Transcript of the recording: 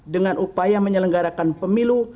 dengan upaya menyelenggarakan pemilu